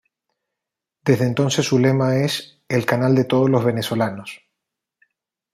Desde entonces su lema es ""El Canal de Todos los Venezolanos"".